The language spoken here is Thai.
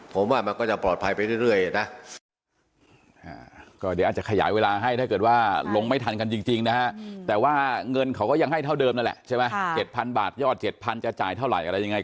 ผมว่ามันก็จะปลอดภัยไปเรื่อยนะ